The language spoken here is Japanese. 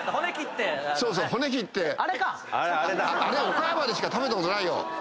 岡山でしか食べたことないよ。